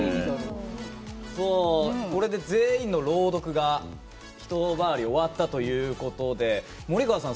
これで、全員の朗読が一回り終わったということで、森川さん